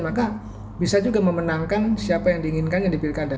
maka bisa juga memenangkan siapa yang diinginkannya di pilkada